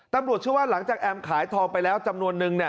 ตำรวจเชื่อว่าหลังจากแอมขายทองไปแล้วจำนวนนึง